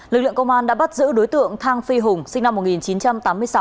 lực lượng công an đã bắt giữ đối tượng thang phi hùng sinh năm một nghìn chín trăm tám mươi sáu